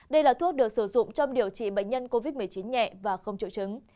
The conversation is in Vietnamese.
đây là thuốc được sử dụng trong điều trị bệnh nhân covid một mươi chín nhẹ và không triệu chứng